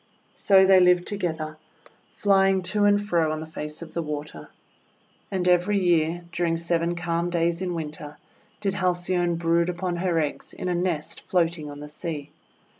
So they lived together, flying to and fro on the face of the water. And every year, during seven calm days in Winter, did Halcyone brood upon her eggs in a nest floating on the sea.